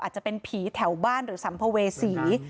อาจจะเป็นผีแถวบ้านหรือสัมภเวษี